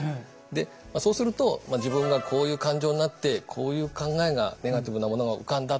でそうすると自分がこういう感情になってこういう考えがネガティブなものが浮かんだ。